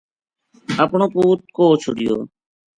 اپنو پوت کوہ چھوڈیو